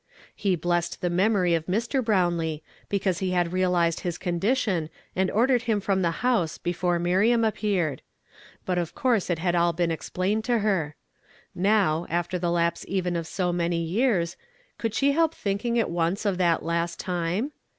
He blessed the memory of Mr. Brownlee because he had realized his con dition, and ordered him from the house before IMiriam appeared ; but of course it had all been explained to her. Now, after the lapse even of .>o many years, could she help thinking at once of that last time